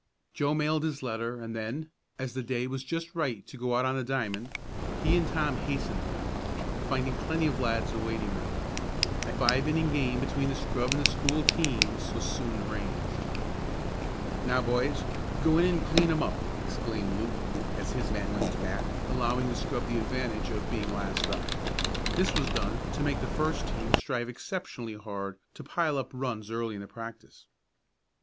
Joe mailed his letter and then, as the day was just right to go out on the diamond, he and Tom hastened there, finding plenty of lads awaiting them. A five inning game between the scrub and school teams was soon arranged. "Now boys, go in and clean 'em up!" exclaimed Luke, as his men went to bat, allowing the scrub the advantage of being last up. This was done to make the first team strive exceptionally hard to pile up runs early in the practice.